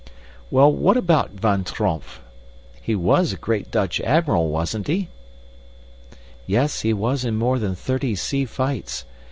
"Well, what about Van Tromp? He was a great Dutch admiral, wasn't he?" "Yes, he was in more than thirty sea fights.